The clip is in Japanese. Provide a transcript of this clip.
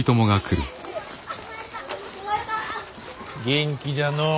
元気じゃのう。